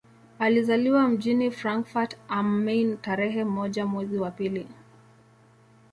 Alizaliwa mjini Frankfurt am Main tarehe moja mwezi wa pili